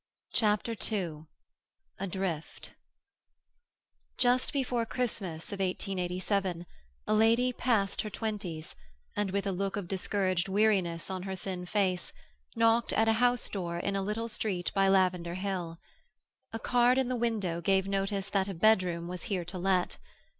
CHAPTER II ADRIFT Just before Christmas of 1887, a lady past her twenties, and with a look of discouraged weariness on her thin face, knocked at a house door in a little street by Lavender Hill. A card in the window gave notice that a bedroom was here to let.